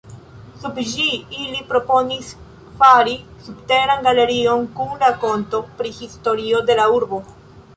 Sub ĝi ili proponis fari subteran galerion kun rakonto pri historio de la urbo.